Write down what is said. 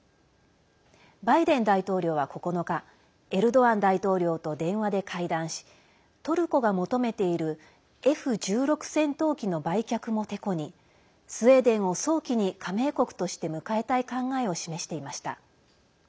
バイデン大統領は９日エルドアン大統領と電話で会談しトルコが求めているＦ１６戦闘機の売却も、てこにスウェーデンを早期に加盟国として迎えたい考えを示していました。